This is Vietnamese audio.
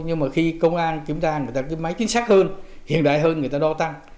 nhưng mà khi công an kiểm tra người ta cái máy chính xác hơn hiện đại hơn người ta đo tăng